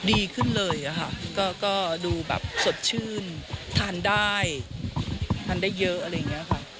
ดีขึ้นเลยค่ะก็ดูแบบสดชื่นทานได้ทานได้เยอะอะไรอย่างนี้ค่ะ